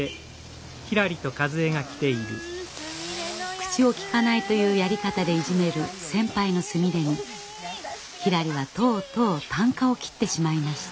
口をきかないというやり方でいじめる先輩のすみれにひらりはとうとうたんかを切ってしまいました。